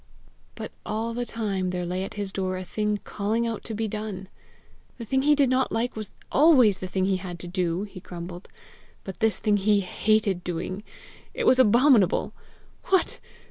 But all the time there lay at his door a thing calling out to be done! The thing he did not like was always the thing he had to do! he grumbled; but this thing he hated doing! It was abominable! What!